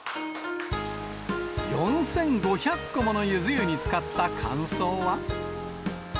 ４５００個ものゆず湯につかった感想は。